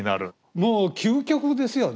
もう究極ですよね。